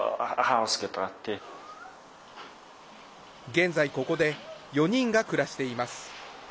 現在ここで４人が暮らしています。